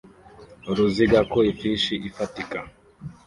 Uruziga ku ifishi ifatika